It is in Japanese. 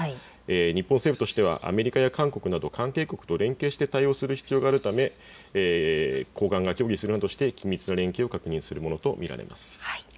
日本政府としてはアメリカや韓国など関係国と連携して対応する必要があるため高官が協議するなどして連携を確認するものと見られます。